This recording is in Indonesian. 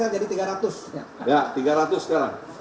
jadi tiga ratus ya tiga ratus sekarang